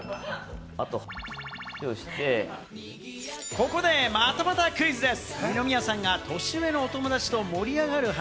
ここで、またまたクイズです。